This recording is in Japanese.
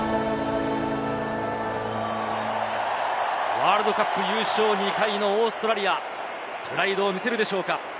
ワールドカップ優勝２回のオーストラリア、プライドを見せるでしょうか。